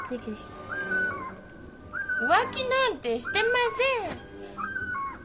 浮気なんてしてません！